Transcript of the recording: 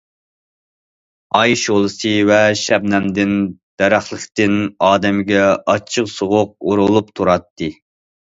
ئاي شولىسى ۋە شەبنەمدىن دەرەخلىكتىن ئادەمگە ئاچچىق سوغۇق ئۇرۇلۇپ تۇراتتى.